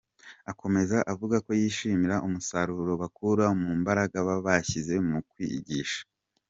Akomeza avuga ko yishimira umusaruro bakura mu mbaraga baba bashyize mu kwigisha.